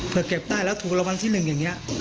อ๋อเผื่อเก็บได้แล้วถูกระวังที่หนึ่งอย่างนี้